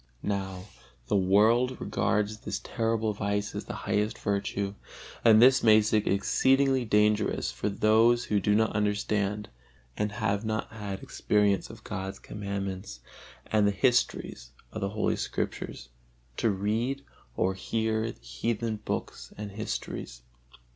Now the world regards this terrible vice as the highest virtue, and this makes it exceedingly dangerous for those who do not understand and have not had experience of God's Commandments and the histories of the Holy Scriptures, to read or hear the heathen books and histories.